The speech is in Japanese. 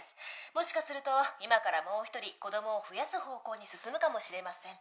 「もしかすると今からもう一人子供を増やす方向に進むかもしれません」